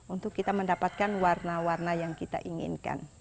untuk kita mendapatkan warna warna yang kita inginkan